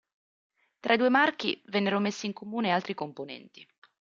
Tra i due marchi vennero messi in comune altri componenti.